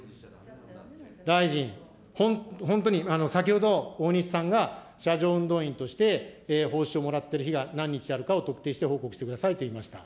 大臣、本当に、先ほど大西さんが車上運動員として、報酬をもらってる日が何日あるかを特定して報告してくださいと言いました。